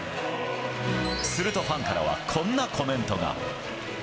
すると、ファンからはこんなコメントが。